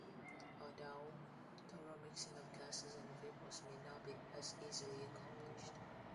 Although, thorough mixing of gases and vapors may not be as easily accomplished.